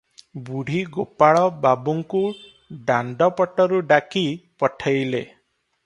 ବୁଢୀ ଗୋପାଳ ବାବୁଙ୍କୁ ଦାଣ୍ଡ ପଟରୁ ଡାକି ପଠେଇଲେ ।